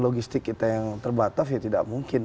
logistik kita yang terbatas ya tidak mungkin